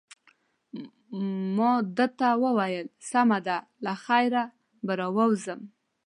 ما ده ته وویل: سمه ده، له خیره به راووځم.